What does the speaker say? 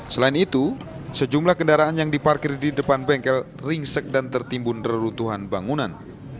selain itu sejumlah kendaraan yang diparkir di depan bengkel ringsek dan tertimbun reruntuhan bangunan